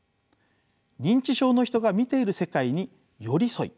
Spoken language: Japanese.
認知症の人が見ている世界に寄り添い